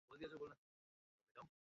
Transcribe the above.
ও আনবুকেও নির্দয়ভাবে মেরেছে।